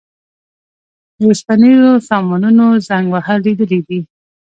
د اوسپنیزو سامانونو زنګ وهل لیدلي دي.